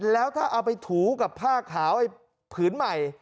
แล้วถ้าเอาไปถูกับผ้าขาวไอ้ผืนใหม่